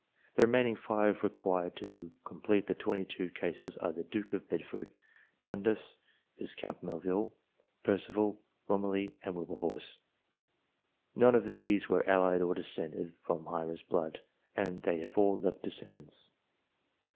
The remaining five required to complete the twenty two cases are the Duke of Bedford, Dundas (Viscount Melville), Perceval, Romilly, and Wilberforce. None of these were allied or descended from heiress blood, and they have all left descendants.